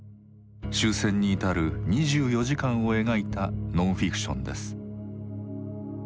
終戦に至る２４時間を描いたノンフィクションです。